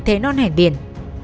thế non hẻn biển